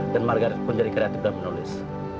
dan margaret pun jadi kreatif dan menulis